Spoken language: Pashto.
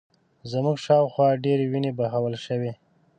زموږ شا و خوا ډېرې وینې بهول شوې